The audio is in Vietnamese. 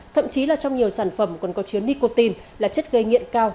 thậm chí là trong nhiều sản phẩm còn có chứa nicotine là chất gây nghiện cao